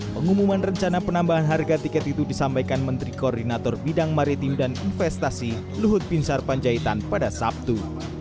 pengumuman rencana penambahan harga tiket itu disampaikan menteri koordinator bidang maritim dan investasi luhut pinsar panjaitan pada sabtu